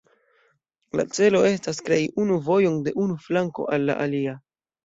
La celo estas krei unu vojon de unu flanko al la alia.